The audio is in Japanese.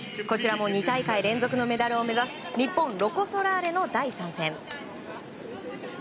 こちらも２大会連続のメダルを目指す日本、ロコ・ソラーレの第３戦。